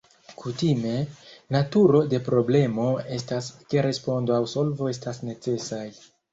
Kutime, naturo de problemo estas ke respondo aŭ solvo estas necesaj.